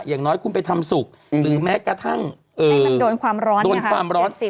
อย่างน้อยคุณไปทำสุกหรือแม้กระทั่งให้มันโดนความร้อนโดนความร้อน